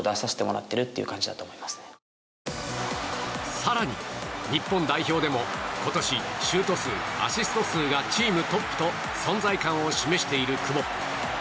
更に、日本代表でも今年シュート数、アシスト数がチームトップと存在感を示している久保。